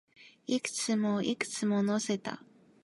いくつも、いくつも乗せた